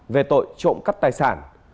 về tội trộm cấp tài sản